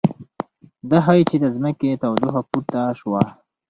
دا ښيي چې د ځمکې تودوخه پورته شوه